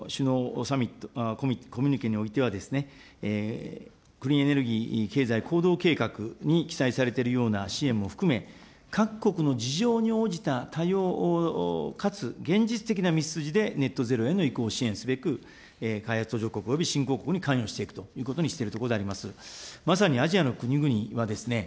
ご指摘のようにＧ７の首脳コミュニケにおいては、クリーンエネルギー経済計画に記載されてるような支援も含めて、各国の事情に応じた対応かつ現実的な道筋でネットゼロへの移行を支援すべく、開発途上国および新興国に関与していくということであります。